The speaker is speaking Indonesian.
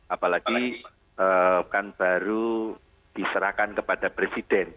apalagi kan baru diserahkan kepada presiden